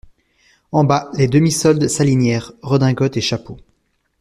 En bas, les demi-soldes s'alignèrent, redingotes et chapeaux.